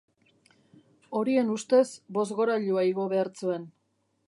Horien ustez, bozgorailua igo behar zuen.